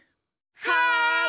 はい。